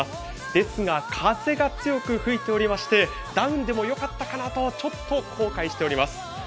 ですが、風が強く吹いておりましてダウンでもよかったかなとちょっと後悔しております。